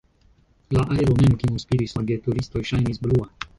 La aero mem, kiun spiris la geturistoj, ŝajnis blua.